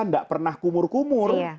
nggak pernah kumur kumur